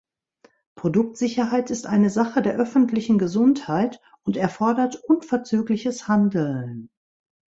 Produktsicherheit ist eine Sache der öffentlichen Gesundheit und erfordert unverzügliches Handeln.